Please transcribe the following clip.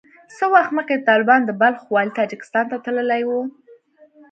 څه وخت مخکې د طالبانو د بلخ والي تاجکستان ته تللی وو